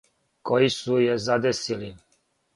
који су је задесили.